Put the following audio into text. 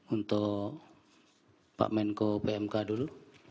untuk pak menko pmk dulu